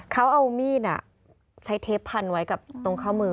เขาเอามีดใช้เทปพันไว้กับตรงข้อมือ